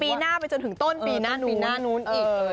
ปีหน้าไปจนถึงต้นปีหน้านู้นอีก